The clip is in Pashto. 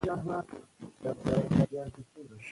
د ملکیار په سبک کې د کلماتو انتخاب خورا په نښه دی.